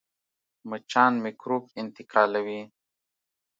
مچان میکروب انتقالوي